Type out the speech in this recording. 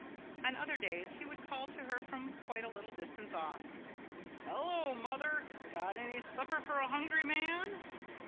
On other days he would call to her from quite a little distance off: "Hullo, mother! Got any supper for a hungry man?"